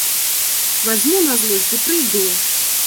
Вазьму на злосць ды прыйду.